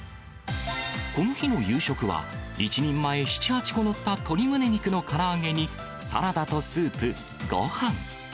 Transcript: この日の夕食は、１人前７、８個載った鶏むね肉のから揚げにサラダとスープ、ごはん。